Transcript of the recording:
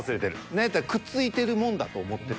何やったらくっついてるもんだと思ってた。